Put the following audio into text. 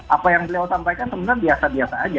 apa yang beliau sampaikan sebenarnya biasa biasa aja